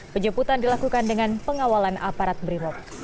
penjemputan dilakukan dengan pengawalan aparat brimob